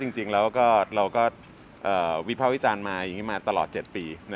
จริงเราก็วิภาควิจารณ์มาตลอด๗ปี